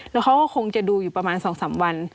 แล้วเขาก็คงจะดูอยู่ประมาณ๒๓วัน